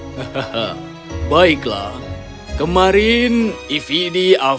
hehehe baiklah kemarin ifidi afedi jadi hari ini hamti damti